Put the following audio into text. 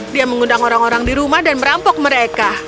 dia mengundang orang orang di rumah dan merampok mereka